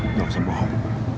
tidak usah bohong